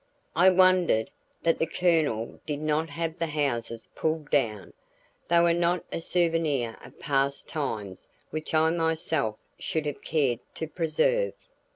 I wondered that the Colonel did not have the houses pulled down; they were not a souvenir of past times which I myself should have cared to preserve.